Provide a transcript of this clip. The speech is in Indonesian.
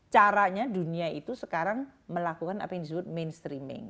caranya dunia itu sekarang melakukan apa yang disebut mainstreaming